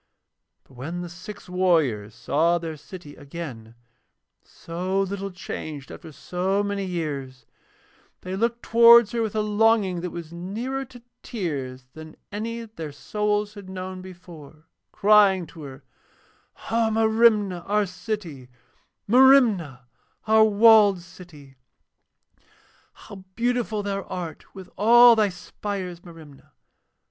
But when the six warriors saw their city again, so little changed after so many years, they looked towards her with a longing that was nearer to tears than any that their souls had known before, crying to her: 'O Merimna, our city: Merimna, our walled city. 'How beautiful thou art with all thy spires, Merimna.